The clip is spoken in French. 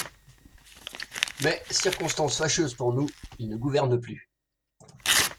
Mais, circonstance fâcheuse pour nous, il ne gouverne plus.